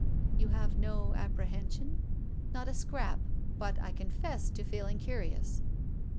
" You have no apprehension ?"" Not a scrap. But I confess to feeling curi ous.